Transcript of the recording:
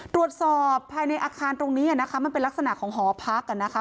ตรวจสอบภายในอาคารตรงนี้นะคะมันเป็นลักษณะของหอพักอ่ะนะคะ